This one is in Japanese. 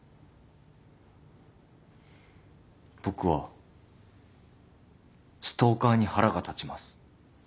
僕はストーカーに腹が立ちます。